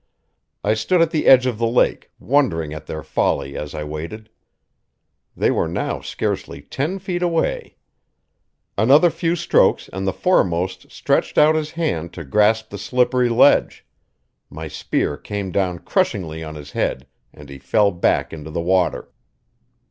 I stood at the edge of the lake, wondering at their folly as I waited; they were now scarcely ten feet away. Another few strokes and the foremost stretched out his hand to grasp the slippery ledge; my spear came down crushingly on his head and he fell back into the water.